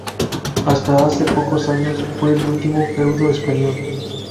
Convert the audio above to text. Hasta hace pocos años, fue el último feudo español.